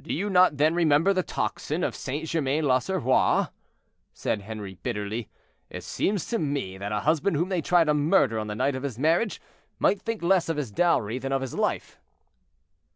"Do you not, then, remember the tocsin of St. Germain l'Auxerrois?" said Henri, bitterly. "It seems to me that a husband whom they try to murder on the night of his marriage might think less of his dowry than of his life."